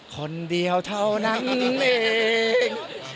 คนเดียวเท่านั้นเอง